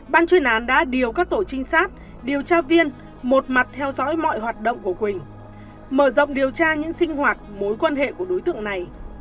ban chuyên án đã điều các tổ trinh sát điều tra viên một mặt theo dõi mọi hoạt động của quỳnh mở rộng điều tra những sinh hoạt mối quan hệ của đối tượng này